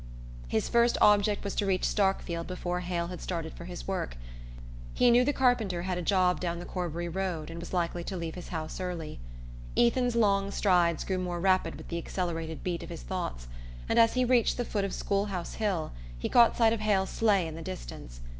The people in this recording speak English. His first object was to reach Starkfield before Hale had started for his work; he knew the carpenter had a job down the Corbury road and was likely to leave his house early. Ethan's long strides grew more rapid with the accelerated beat of his thoughts, and as he reached the foot of School House Hill he caught sight of Hale's sleigh in the distance.